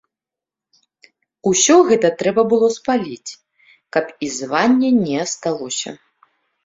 Усё гэта трэба было спаліць, каб і звання не асталося.